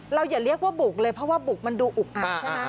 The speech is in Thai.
อย่าเรียกว่าบุกเลยเพราะว่าบุกมันดูอุกอักใช่ไหม